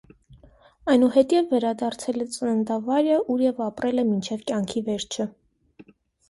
Այնուհետև վերադարձել է ծննդավայրը, ուր և ապրել է մինչև կյանքի վերջը։